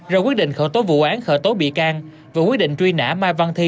rồi quyết định khởi tố vụ án khởi tố bị can và quyết định truy nã mai văn thi